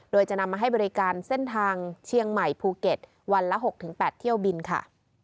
โดยจะนำมาให้บริการเส้นทางเชียงใหม่ภูเก็ตวันละ๖๘เที่ยวบินค่ะ